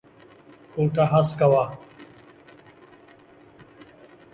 کوټه هسکه وه.